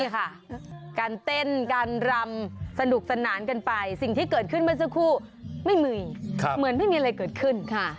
เหมือนไม่มีอะไรเกิดขึ้นค่ะ